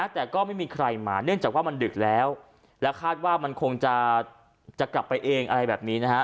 แต่ก็ไม่มีใครมาเนื่องจากว่ามันดึกแล้วและคาดว่ามันคงจะกลับไปเองอะไรแบบนี้นะฮะ